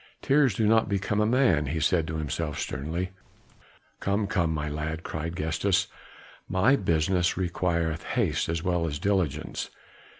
"Tears do not become a man," he said to himself sternly. "Come, come, my lad," cried Gestas, "my business requireth haste as well as diligence.